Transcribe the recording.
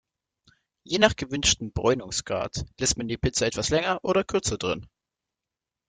Je nach gewünschtem Bräunungsgrad lässt man die Pizza etwas länger oder kürzer drin.